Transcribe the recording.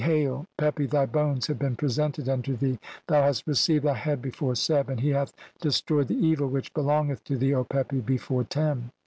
Hail, (114) "Pepi, thy bones have been presented unto thee, thou "hast received thy head before Seb, and he hath des "troyed the evil which belongeth to thee, O Pepi, be "fore Tem."